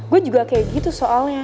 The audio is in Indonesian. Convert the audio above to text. gue juga kayak gitu soalnya